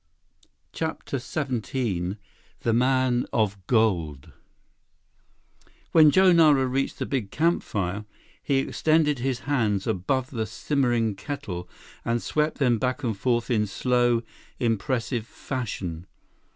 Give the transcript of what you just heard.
CHAPTER XVII The Man of Gold When Joe Nara reached the big campfire, he extended his hands above the simmering kettle and swept them back and forth in slow, impressive fashion.